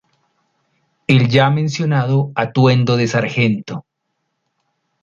El ya mencionado atuendo de Sgt.